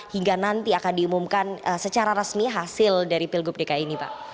hingga nanti akan diumumkan secara resmi hasil dari pilgub dki ini pak